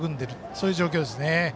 そういう状況ですね。